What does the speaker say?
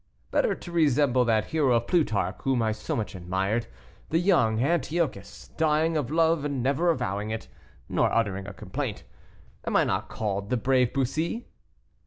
Better to resemble that hero of Plutarch whom I so much admired, the young Antiochus, dying of love and never avowing it, nor uttering a complaint. Am I not called the brave Bussy?"